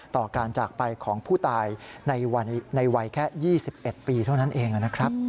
ต่อการจากไปของผู้ตายในวัยแค่๒๑ปีเท่านั้นเองนะครับ